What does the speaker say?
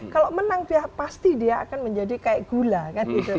kalau menang ya pasti dia akan menjadi kayak gula kan gitu